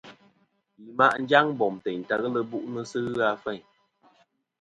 Yi ma' njaŋ bom teyn ta ghelɨ bu'nɨ sɨ ghɨ a feyn.